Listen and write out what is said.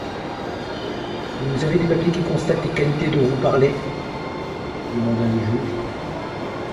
Vous avez des papiers qui constatent les qualités dont vous parlez? demanda le juge.